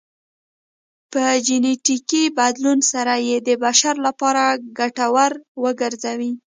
په جنیټیکي بدلون سره یې د بشر لپاره ګټور وګرځوي